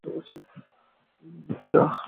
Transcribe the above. আমি এটা বলতে চাইনি।